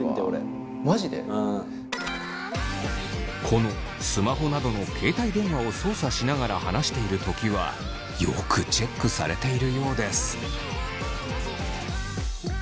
このスマホなどの携帯電話を操作しながら話しているときはよくチェックされているようです。